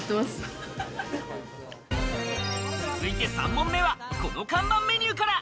続いて３問目は、この看板メニューから。